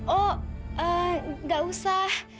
oh nggak usah